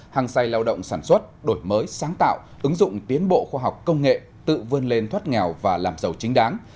hàng say lao động sản xuất đổi mới sáng tạo ứng dụng tiến bộ khoa học công nghệ tự vươn lên thoát nghèo và làm giàu chính đáng